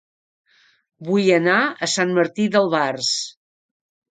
Vull anar a Sant Martí d'Albars